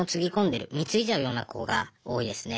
貢いじゃうような子が多いですね。